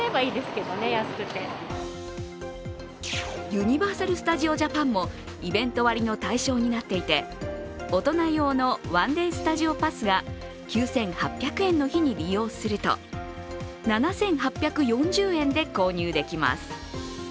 ユニバーサル・スタジオ・ジャパンも、イベント割の対象になっていて、大人用の１デー・スタジオ・パスが９８００円の日に利用すると７８４０円で購入できます。